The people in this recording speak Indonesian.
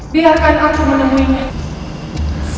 biarkan aku menemuinya